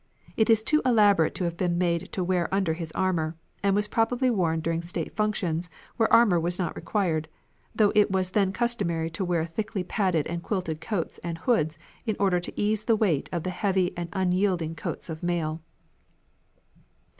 It is too elaborate to have been made to wear under his armour, and was probably worn during state functions where armour was not required, although it was then customary to wear thickly padded and quilted coats and hoods in order to ease the weight of the heavy and unyielding coats of mail.